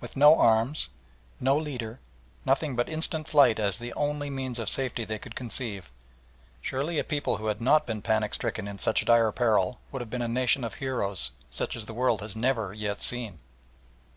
With no arms, no leaders, nothing but instant flight as the only means of safety they could conceive, surely a people who had not been panic stricken in such dire peril would have been a nation of heroes such as the world has never yet seen!